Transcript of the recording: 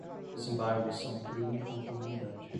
os embargos são um crime contra a humanidade